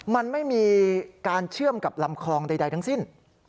มันไม่มีการเชื่อมกับลำคลองใดทั้งสิ้น